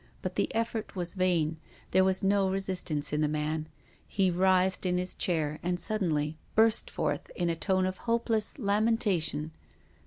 But the effort was vain. There was no resistance in the man. He writhed in his chair and suddenly burst forth in a tone of hopeless lamentation.